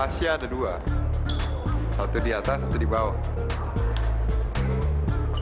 tasya ada dua satu di atas dibawah